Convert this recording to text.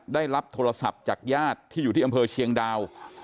ได้รับโทรศัพท์จากญาติที่อยู่ที่อำเภอเชียงดาว